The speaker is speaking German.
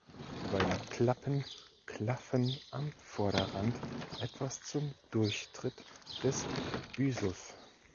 Die beiden Klappen klaffen am Vorderrand etwas zum Durchtritt des Byssus.